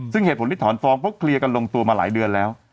ซึ่งเหตุผลที่ถอนฟ้องเพราะเคลียร์กันลงตัวมาหลายเดือนแล้ว